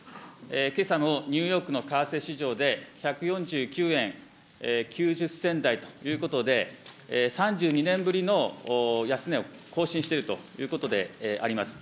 けさのニューヨークの為替市場で、１４９円９０銭台ということで、３２年ぶりの安値を更新しているということであります。